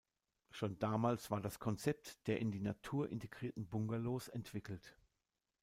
Schon damals war das Konzept der in die Natur integrierten Bungalows entwickelt.